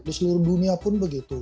di seluruh dunia pun begitu